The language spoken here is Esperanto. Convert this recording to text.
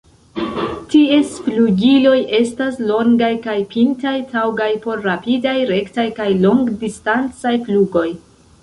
Ties flugiloj estas longaj kaj pintaj, taŭgaj por rapidaj, rektaj kaj longdistancaj flugoj.